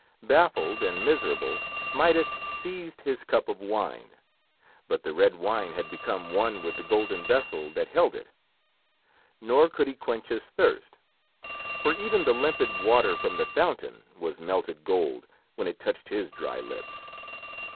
Baffled and miserable, Midas seized his cup of wine, but the red wine had become one with the golden vessel that held it; nor could he quench his thirst, for even the limpid water from the fountain was melted gold when it touched his dry lips.